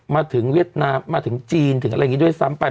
เวียดนามมาถึงจีนถึงอะไรอย่างนี้ด้วยซ้ำไป